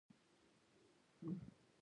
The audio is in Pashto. فیلډران د بازۍ بېنسټ دي.